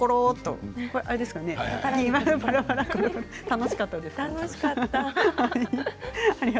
楽しかったです。